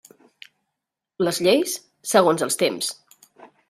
Les lleis, segons els temps.